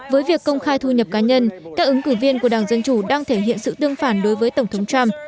với việc công khai thu nhập cá nhân các ứng cử viên của đảng dân chủ đang thể hiện sự tương phản đối với tổng thống trump